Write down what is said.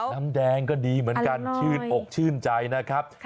น้ำออกชื่นใจนะครับ